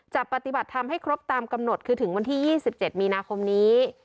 จะปฏิบัติทำให้ครบตามกำหนดคือถึงวันที่๒๗มีนาคมนี้